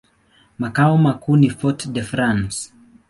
Makao makuu ni Fort-de-France.